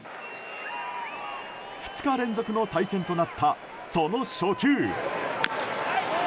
２日連続の対戦となったその初球。